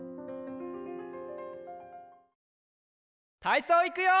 たいそういくよ！